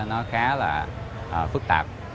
rất là phức tạp